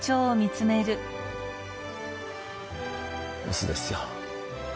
オスですよ。